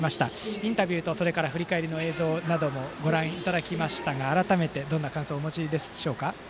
インタビューと振り返りの映像などもご覧いただきましたが改めて、どんな感想をお持ちでしょうか。